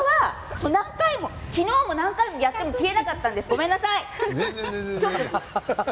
昨日は何回もやっても消えなかったんですけどごめんなさい。